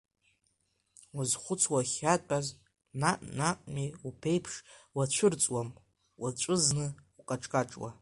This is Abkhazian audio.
Уазхәыцуа уахьаатәаз наҟ-наҟтәи уԥеиԥш, уаацәырҵуам уаҵәызны укаҿкаҿуа…